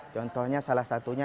contohnya salah satunya